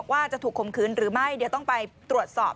ว่าจะถูกคมคืนหรือไม่เดี๋ยวต้องไปตรวจสอบ